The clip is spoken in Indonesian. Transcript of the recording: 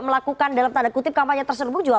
melakukan dalam tanda kutip kampanye terserbung juga